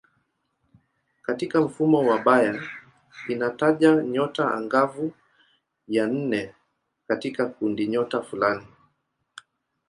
Katika mfumo wa Bayer inataja nyota angavu ya nne katika kundinyota fulani.